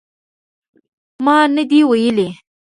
ما نه دي ویلي